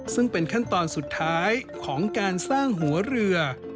ซึ่งเป็นขั้นตอนสุดท้ายของการสร้างหัวเรือ